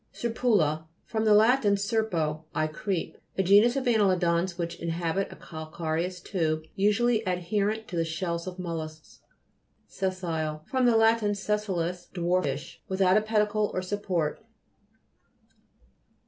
SER'PULA fr. lat. serpo, I creep. A genus of anneli'dans which inhabit a calcareous tube, usually adherent to the shells of mollusks. SES'SILE fr. lat. sessilis, dwarfish. Without a pedicle or support.